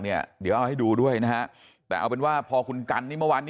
เดี๋ยวเอาให้ดูด้วยนะฮะแต่เอาเป็นว่าพอคุณกันนี่เมื่อวานนี้